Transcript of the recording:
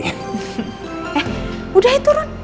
eh udah ya turun